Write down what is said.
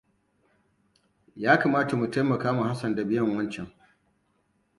Ya kamata mu taimaka ma Hassan da biyan wancan?